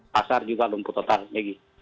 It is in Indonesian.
pasar juga lumpuh total megi